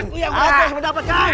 aku yang harus mendapatkan